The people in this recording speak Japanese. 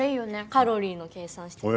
カロリーの計算してくれる。